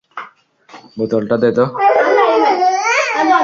বোতলটা দে তো।